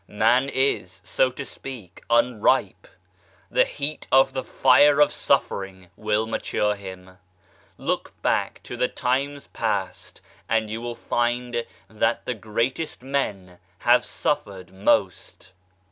Man is, so to speak, unripe : the heat of the fire of suffering will mature him. Look back to the times past and you will find that the greatest men have suffered most."